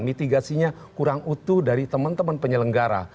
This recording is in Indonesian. mitigasinya kurang utuh dari teman teman penyelenggara